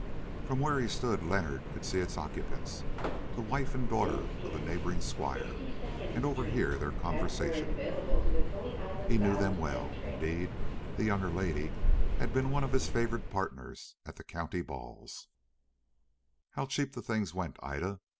From where he stood Leonard could see its occupants, the wife and daughter of a neighbouring squire, and overhear their conversation. He knew them well; indeed, the younger lady had been one of his favourite partners at the county balls. "How cheap the things went, Ida!